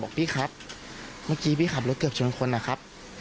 พี่ครับเมื่อกี้พี่ขับรถเกือบชนคนนะครับ